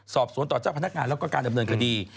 สอบสวนต่อเจ้าพนักงานแล้วก็การดำเนินคดี